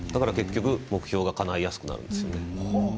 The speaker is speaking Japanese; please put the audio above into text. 結局、目標がかないやすくなるんです。